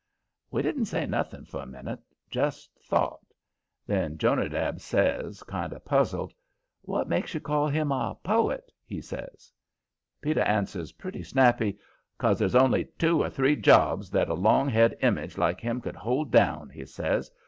We didn't say nothing for a minute just thought. Then Jonadab says, kind of puzzled: "What makes you call him a poet?" he says. Peter answered pretty snappy: "'Cause there's only two or three jobs that a long haired image like him could hold down," he says.